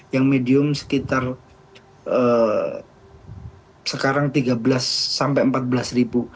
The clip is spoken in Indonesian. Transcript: yang medium sekitar sekarang rp tiga belas sampai rp empat belas